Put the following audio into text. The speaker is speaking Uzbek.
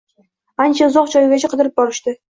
Ancha uzoq joygacha qidirib borishdi